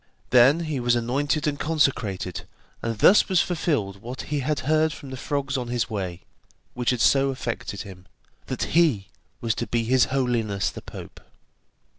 Then was he anointed and consecrated, and thus was fulfilled what he had heard from the frogs on his way, which had so affected him, that he was to be his Holiness the Pope.